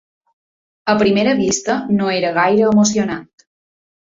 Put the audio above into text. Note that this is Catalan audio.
A primera vista, no era gaire emocionant.